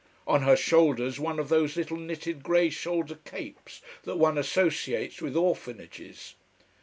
On her shoulders one of those little knitted grey shoulder capes that one associates with orphanages.